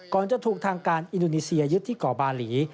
จะถูกทางการอินโดนีเซียยึดที่ก่อบาหลี